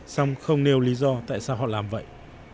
xong không nêu lý do tại sao họ làm vậy